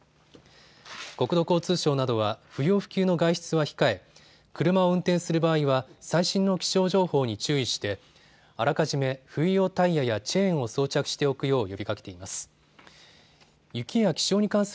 国土交通省などは不要不急の外出は控え、車を運転する場合は、最新の気象情報に注意してあらかじめ冬用タイヤやチェーンを装着しておくよう呼びかけています。